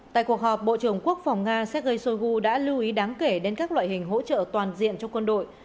tại cuộc họp bộ trưởng quốc phòng nga sergei shoigu đã lưu ý đáng kể đến các loại hình hỗ trợ toàn diện cho quân đội